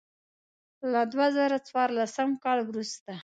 له دوه زره څوارلسم کال وروسته.